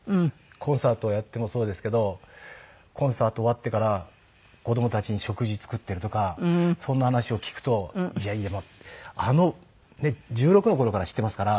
コンサートをやってもそうですけどコンサート終わってから子どもたちに食事作ってるとかそんな話を聞くといやいやあの１６の頃から知ってますから。